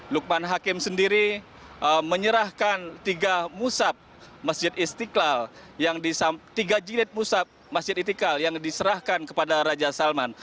lukman hakim sendiri menyerahkan tiga musab masjid istiqlal yang diserahkan kepada raja salman